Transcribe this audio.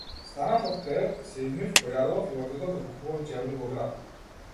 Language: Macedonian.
Станав од кревет, се измив, појадував и отидов да купувам чевли во град.